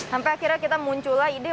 sampai akhirnya kita munculah ide